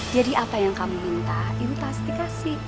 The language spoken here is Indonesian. jadi apa yang kamu minta ibu pasti kasih